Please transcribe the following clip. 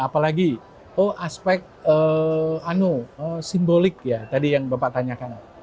apa lagi aspek simbolik yang bapak tanyakan